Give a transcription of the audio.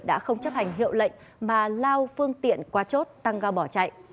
đã không chấp hành hiệu lệnh mà lao phương tiện qua chốt tăng giao bỏ chạy